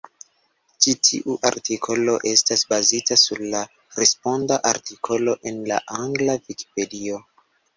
Ĉi tiu artikolo estas bazita sur la responda artikolo en la angla Vikipedio.